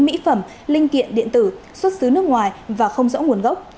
mỹ phẩm linh kiện điện tử xuất xứ nước ngoài và không rõ nguồn gốc